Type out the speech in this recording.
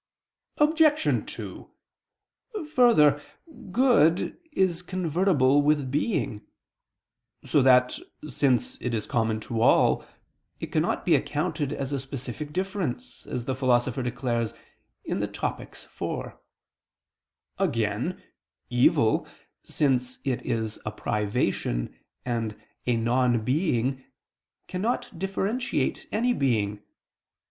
Obj. 2: Further, good is convertible with being; so that, since it is common to all, it cannot be accounted a specific difference, as the Philosopher declares (Topic. iv). Again, evil, since it is a privation and a non being, cannot differentiate any being.